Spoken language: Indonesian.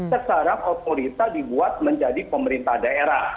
sekarang otorita dibuat menjadi pemerintah daerah